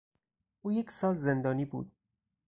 او یک سال زندانی بود.